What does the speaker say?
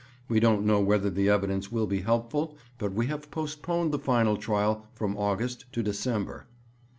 We don't know whether the evidence will be helpful, but we have postponed the final trial from August to December.